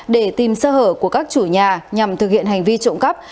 để tìm sơ hở của các chủ nhà nhằm thực hiện hành vi trộm cắp